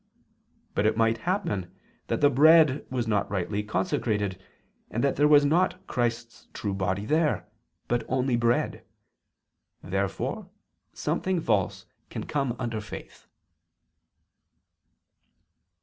But it might happen that the bread was not rightly consecrated, and that there was not Christ's true Body there, but only bread. Therefore something false can come under faith.